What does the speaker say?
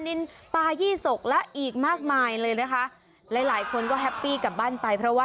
โอ้โฮโอ้โฮนี่ไงเต็มเลยโอ้โฮเยอะมาก